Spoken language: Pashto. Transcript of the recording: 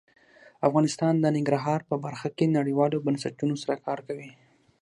افغانستان د ننګرهار په برخه کې نړیوالو بنسټونو سره کار کوي.